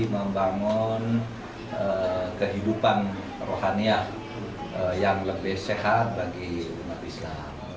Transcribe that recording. membangun kehidupan rohania yang lebih sehat bagi umat islam